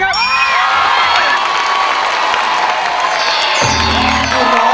หรือว่า